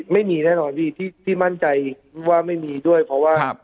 ไม่มีแน่นอนพี่ที่มั่นใจว่าไม่มีด้วยเพราะว่า